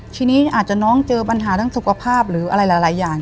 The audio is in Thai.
ทีนี้อาจจะน้องเจอปัญหาทั้งสุขภาพหรืออะไรหลายอย่าง